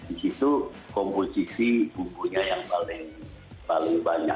di situ komposisi bumbunya yang paling banyak